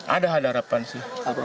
ada ada harapan sih